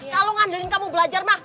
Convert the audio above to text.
kalau ngandalin kamu belajar mah